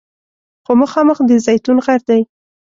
خو مخامخ د زیتون غر دی.